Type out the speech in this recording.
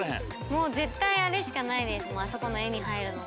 もう絶対あれしかないですあそこの絵に入るのは。